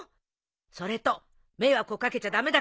それと迷惑を掛けちゃ駄目だからね。